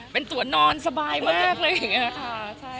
เป็นตัวนอนสบายมากเลย